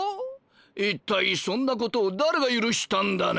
一体そんなことを誰が許したんだね！